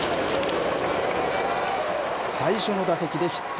最初の打席でヒット。